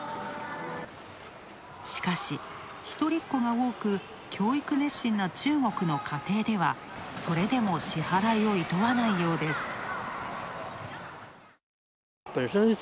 しかし、１人っ子が多く、教育熱心な中国の家庭ではそれでも支払いをいとわないようです。